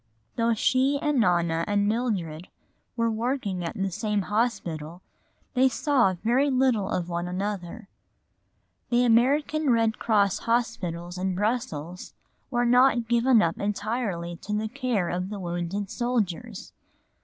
For although she and Nona and Mildred were working at the same hospital, they saw very little of one another. The American Red Cross hospitals in Brussels were not given up entirely to the care of the wounded soldiers.